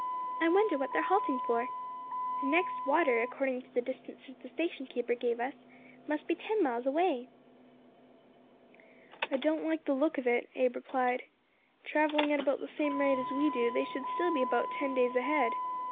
I wonder what they are halting for. The next water, according to the distances the station keeper gave us, must be ten miles away." "I don't like the look of it," Abe replied. "Travelling at about the same rate as we do, they should still be about ten days ahead.